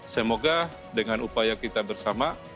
semoga dengan upaya kita bersama